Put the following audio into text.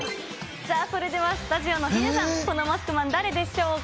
さあ、それではスタジオのヒデさん、このマスクマン、誰でしょうか。